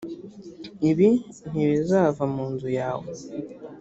ibibi ntibizava mu nzu yawe